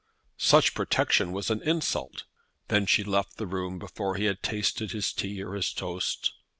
"Such protection was an insult." Then she left the room before he had tasted his tea or his toast.